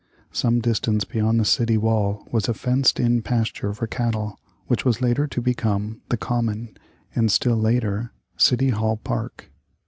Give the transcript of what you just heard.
Some distance beyond the city wall was a fenced in pasture for cattle, which was later to become The Common, and still later City Hall Park.